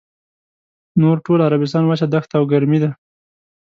نور ټول عربستان وچه دښته او ګرمي ده.